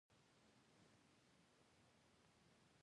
سلیمان غر د دوامداره پرمختګ لپاره اړین دی.